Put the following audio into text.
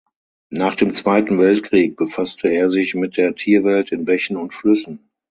Nach dem Zweiten Weltkrieg befasste er sich mit der Tierwelt in Bächen und Flüssen.